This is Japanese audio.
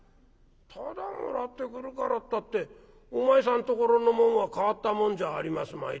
「ただもらってくるからったってお前さんところの紋は変わった紋じゃありますまい。